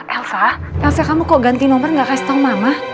elsa elsa kamu kok ganti nomor gak kasih tau mama